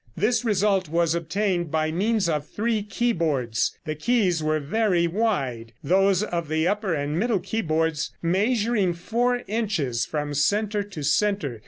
This result was obtained by means of three keyboards. The keys were very wide, those of the upper and middle keyboards measuring four inches from center to center.